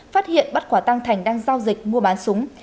phát hiện bắt quả tăng thành đang giao dịch mua bán súng